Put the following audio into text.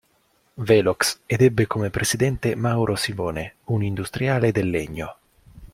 Velox" ed ebbe come presidente Mauro Simone, un industriale del legno.